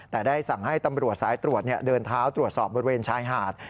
แต่ได้สั่งให้ตำรวจสายตรวจเดินเท้าตรวจสอบบริเวณชายหาด